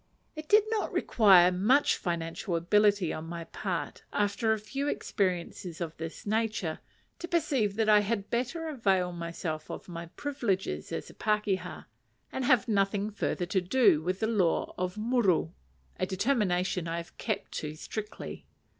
It did not require much financial ability on my part, after a few experiences of this nature, to perceive that I had better avail myself of my privileges as a pakeha, and have nothing further to do with the law of muru a determination I have kept to strictly.